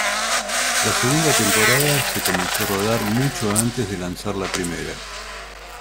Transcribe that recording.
La segunda temporada se comenzó a rodar mucho antes de lanzar la primera.